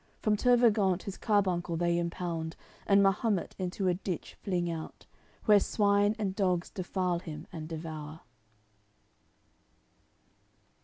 From Tervagant his carbuncle they impound, And Mahumet into a ditch fling out, Where swine and dogs defile him and devour.